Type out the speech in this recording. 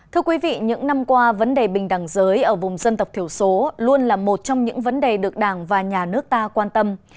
thưa quý vị những năm qua vấn đề bình đẳng giới ở vùng dân tộc thiểu số luôn là một trong những vấn đề được đảng và nhà nước ta quan tâm